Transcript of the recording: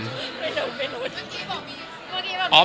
เมื่อกี้บอกมีคนคุย